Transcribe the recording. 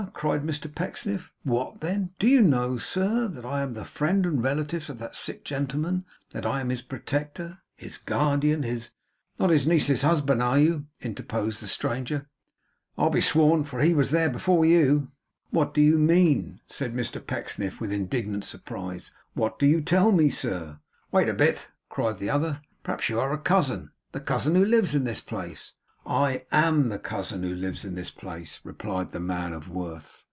cried Mr Pecksniff. 'What then? Do you know, sir, that I am the friend and relative of that sick gentleman? That I am his protector, his guardian, his ' 'Not his niece's husband,' interposed the stranger, 'I'll be sworn; for he was there before you.' 'What do you mean?' said Mr Pecksniff, with indignant surprise. 'What do you tell me, sir?' 'Wait a bit!' cried the other, 'Perhaps you are a cousin the cousin who lives in this place?' 'I AM the cousin who lives in this place,' replied the man of worth.